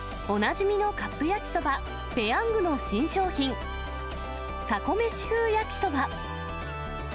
おなじみのカップ焼きそば、ペヤングの新商品、たこめし風やきそば。